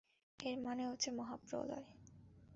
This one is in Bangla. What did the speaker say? এর মানে হচ্ছে মহাপ্রলয়।